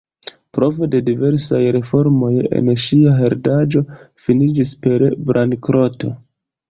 Provo de diversaj reformoj en ŝia heredaĵo finiĝis per bankroto.